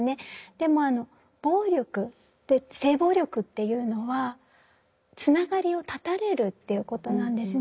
でも暴力性暴力っていうのはつながりを断たれるっていうことなんですね。